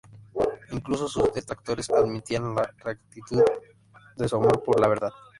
Incluso sus detractores admitían la rectitud de su amor por la verdad.